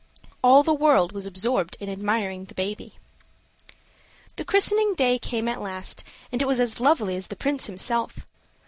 All the world was absorbed in admiring the baby. The christening day came at last, and it was as lovely as the Prince himself.